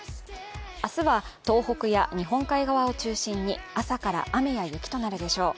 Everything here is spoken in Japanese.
明日は東北や日本海側を中心に朝から雨や雪となるでしょう。